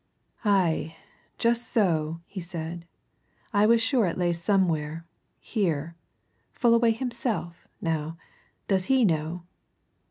"Aye, just so!" he said. "I was sure it lay somewhere here. Fullaway himself, now does he know?"